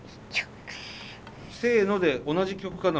せので同じ曲かな？